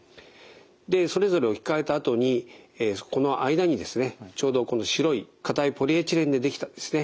でそれぞれ置き換えたあとにこの間にですねちょうどこの白い硬いポリエチレンでできたですね